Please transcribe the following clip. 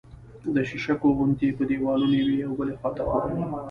د شیشکو غوندې په دېوالونو یوې او بلې خوا ته ښوري